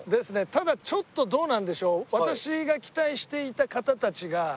ただちょっとどうなんでしょう？